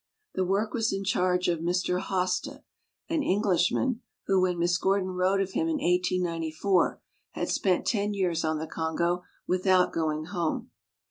The work was in charge of Mr. Hoste, an English man, who, when Miss Gordon wrote of him in 1894, had spent ten years on the Congo without going home.